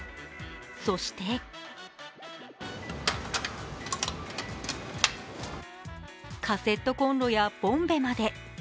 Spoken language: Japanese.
そしてカセットこんろやボンベまで。